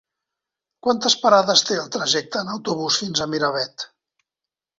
Quantes parades té el trajecte en autobús fins a Miravet?